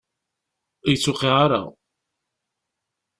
Ur yi-d-tuqiɛ ara.